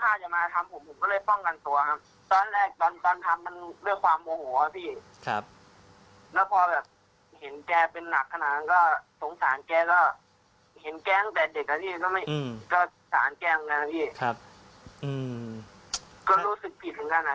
ถ้าตำรวจจะเรียกตัวเขาก็ยินดีจะให้ความร่วมมือกับตำรวจเขาบอกแบบนี้นะคะ